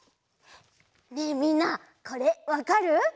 ねえみんなこれわかる？